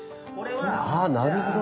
あなるほど！